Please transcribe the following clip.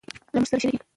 له موږ سره شريکې کړي